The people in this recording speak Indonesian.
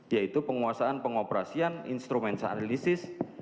yaitu penguasaan pengoperasian instrumen analisis